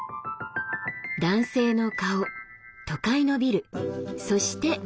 男性の顔都会のビルそして文字。